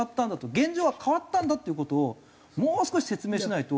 現状は変わったんだっていう事をもう少し説明しないと。